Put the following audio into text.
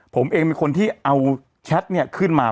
ผมเองเป็นคนที่เอาแชทเนี่ยขึ้นมา